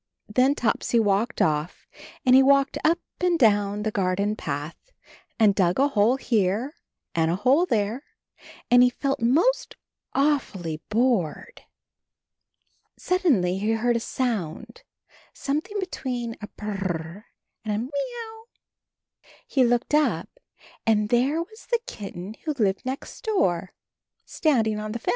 Then Topsy walked off and he walked up and down the garden path, and dug a hole here and a hole there, and he felt most aw fully bored. AND HIS KITTEN TOPSY 65 Suddenly he heard a sound, something be tween a p r r r and a m i m i a o u. He looked up, and there was the kitten who lived next door, standing on the fence.